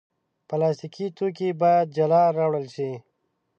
پلاستيکي توکي باید جلا راټول شي.